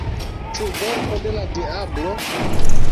Ĉu verko de la diablo?